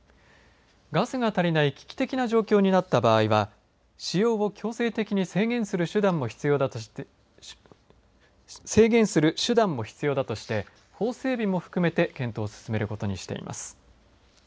ガスが足りない危機的な状況になった場合は使用を強制的に制限する手段も必要だとして法整備も含めて検討を進めることにしています。